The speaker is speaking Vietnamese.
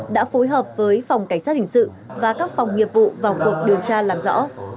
đã phối hợp với phòng cảnh sát hình sự và các phòng nghiệp vụ vào cuộc điều tra làm rõ